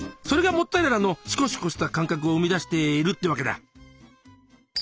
それがモッツァレラのシコシコした感覚を生み出しているってわけだ。